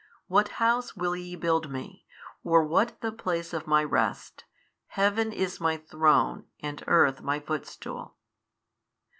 what house will ye build Me, or what the place of My rest? Heaven is My Throne and earth My footstool.